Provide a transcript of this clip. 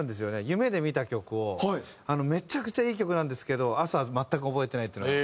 夢で見た曲をめちゃくちゃいい曲なんですけど朝全く覚えてないっていうのが。